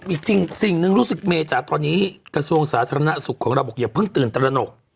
อีกสิ่งหนึ่งรู้สึกเมจ๋าตอนนี้กระทรวงสาธารณสุขของเราบอกอย่าเพิ่งตื่นตระหนก